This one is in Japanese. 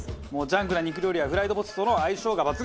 ジャンクな肉料理やフライドポテトとの相性が抜群。